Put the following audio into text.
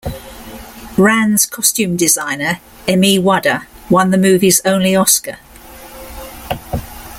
"Ran"s costume designer, Emi Wada, won the movie's only Oscar.